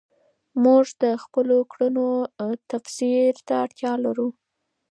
موږ د خپلو کړنو تفسیر ته اړتیا لرو.